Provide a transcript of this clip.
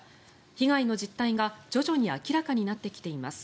被害の実態が徐々に明らかになってきています。